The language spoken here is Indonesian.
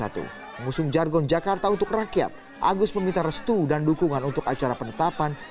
mengusung jargon jakarta untuk rakyat agus meminta restu dan dukungan untuk acara penetapan